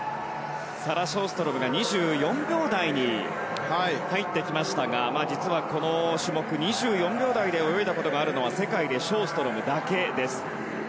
サラ・ショーストロムが２４秒台に入ってきましたが実は、この種目２４秒台で泳いだことがあるのは世界でショーストロムだけです。